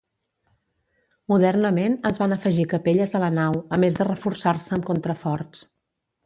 Modernament, es van afegir capelles a la nau, a més de reforçar-se amb contraforts.